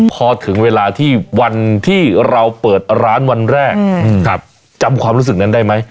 พอถึงเวลาที่วันที่เราเปิดร้านวันแรกจำความรู้สึกนั้นได้ไหม